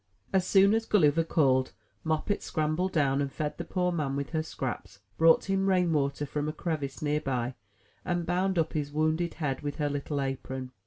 As soon as Gulliver called. Moppet scrambled down, and fed the poor man with her scraps, brought him rainwater from a crevice near by, and bound up his wounded head with her little apron.